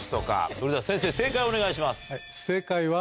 それでは先生正解をお願いします。